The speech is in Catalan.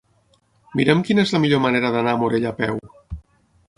Mira'm quina és la millor manera d'anar a Morella a peu.